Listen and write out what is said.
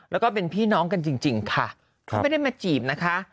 แล้วก็เป็นพี่น้องกันจริงค่ะเขาไม่ได้มาจีบนะคะ